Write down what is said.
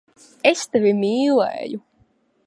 Es tevi mīlēju.